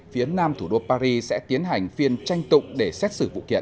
phía nam thủ đô paris sẽ tiến hành phiên tranh tụng để xét xử vụ kiện